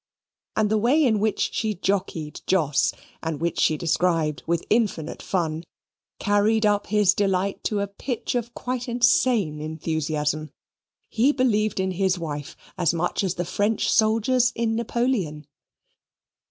And the way in which she jockeyed Jos, and which she described with infinite fun, carried up his delight to a pitch of quite insane enthusiasm. He believed in his wife as much as the French soldiers in Napoleon.